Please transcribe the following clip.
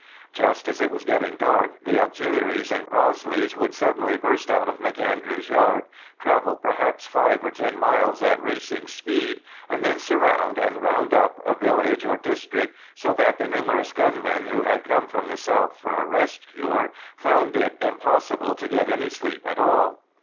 Just as it was getting dark the Auxiliaries in Crossleys would suddenly burst out of M'Andrew's yard, travel perhaps five or ten miles at racing speed, and then surround and round up a village or district, so that the numerous gunmen who had come from the south for a rest cure found it impossible to get any sleep at all.